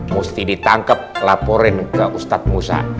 mesti ditangkap laporin ke ustadz musa